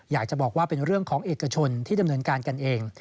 อยากจะบอกว่าเป็นเรื่องของเอกชนที่ดำเนินการกันเอง